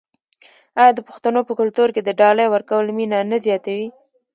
آیا د پښتنو په کلتور کې د ډالۍ ورکول مینه نه زیاتوي؟